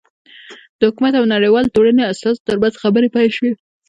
د حکومت او نړیوالې ټولنې استازو ترمنځ خبرې پیل شوې.